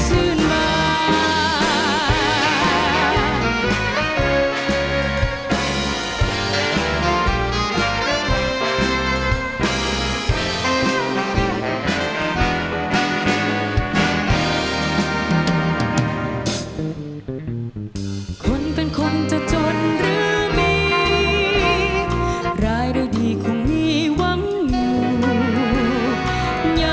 ท่วงเมืองไทยนี้ให้ยิ่งใหญ่